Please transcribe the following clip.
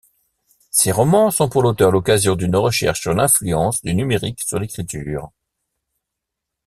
Ces romans sont pour l'auteur l'occasion d'une recherche sur l’influence du numérique sur l'écriture.